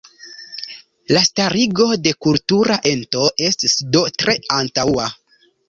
La starigo de kultura ento estis do tre antaŭa.